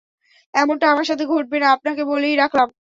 এমনটা আমার সাথে ঘটবে না, আপনাকে বলেই রাখলাম।